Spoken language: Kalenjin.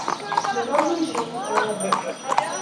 Ne bo mwisho eng orodait.